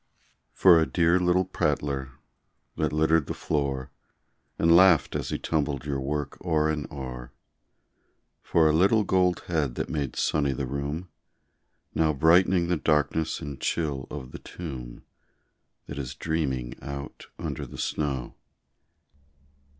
For a dear little prattler that littered the floor, And laughed as he tumbled your work o'er and o'er For a little gold head that made sunny the room, Now bright'ning the darkness and chill of the tomb, That is dreaming out under the snow.